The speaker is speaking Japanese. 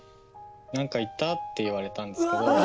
「なんか言った？」って言われたんですけど。